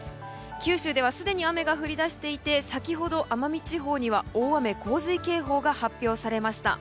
九州ではすでに雨が降り始めていて先ほど、奄美地方には大雨・洪水警報が発表されました。